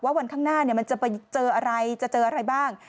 วันข้างหน้ามันจะไปเจออะไรจะเจออะไรบ้าง